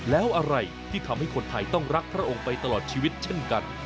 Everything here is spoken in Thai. แล้วอะไรที่ทำให้คนไทยต้องรักพระองค์ไปตลอดชีวิตเช่นกัน